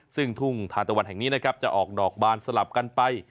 ซึ่งทุ่งทานตะวันแห่งนี้นะครับจะออกดอกบานสลับกันไป